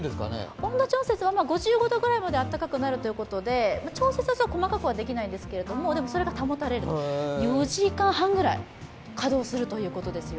温度調節は５５度くらいまであったかくなるということで調節は細かくはできないんですけれども、それが保たれる、４時間半ぐらい稼働するということですよ。